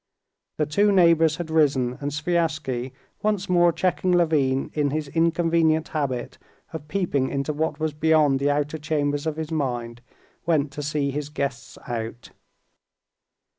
The two neighbors had risen, and Sviazhsky, once more checking Levin in his inconvenient habit of peeping into what was beyond the outer chambers of his mind, went to see his guests out.